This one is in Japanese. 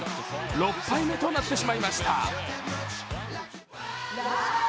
６敗目となってしまいました。